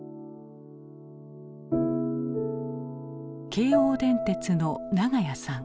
京王電鉄の長屋さん。